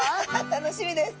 楽しみです。